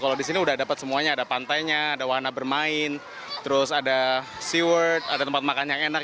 kalau di sini udah dapet semuanya ada pantainya ada wahana bermain terus ada seaword ada tempat makan yang enak